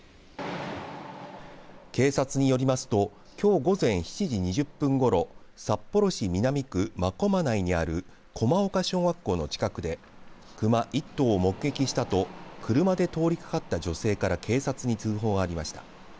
警察によりますと、きょう午前７時２０分ごろ札幌市南区真駒内にある駒岡小学校の近くで熊１頭を目撃したと車で通りかかった女性から警察に通報がありました。